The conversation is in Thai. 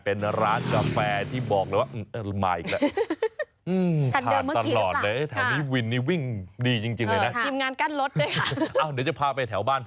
เป็นร้านกาแฟที่บอกแล้วว่า